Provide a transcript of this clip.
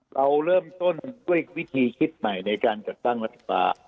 เราเริ่มต้นด้วยวิธีคิดใหม่ในการกระตั้งศักดิ์ฟ้า